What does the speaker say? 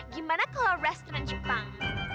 gimana kalau restoran jepang